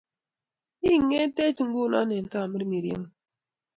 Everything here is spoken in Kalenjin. I-ng'eetech nguno eng` Tamirmirieng'ung`